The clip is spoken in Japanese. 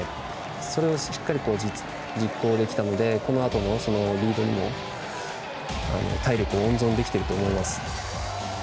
それをしっかり実行できたのでこのあとのリードにも体力を温存できてると思います。